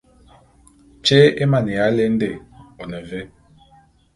Tyé émaneya ya lende, one vé ?